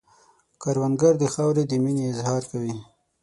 کروندګر د خاورې د مینې اظهار کوي